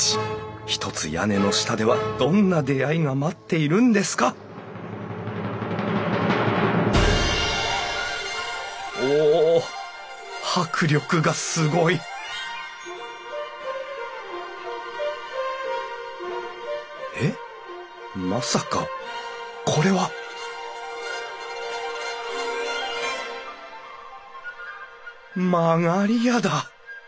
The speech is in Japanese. ひとつ屋根の下ではどんな出会いが待っているんですかお迫力がすごいえっまさかこれは曲り家だ！